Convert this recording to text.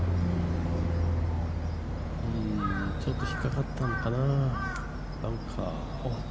ちょっと引っかかったのかな。